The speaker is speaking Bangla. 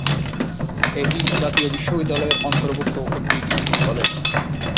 এটি জাতীয় বিশ্ববিদ্যালয়ের অন্তর্ভুক্ত একটি ডিগ্রী কলেজ।